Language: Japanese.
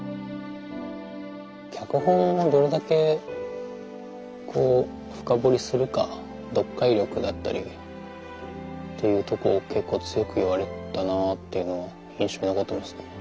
脚本をどれだけ深掘りするか読解力だったりというとこを結構強く言われたなっていうのは印象に残ってますね。